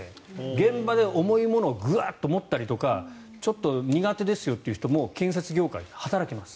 現場で重いものをグワッと持ったりとかちょっと苦手ですよという人も建設業界で働きます。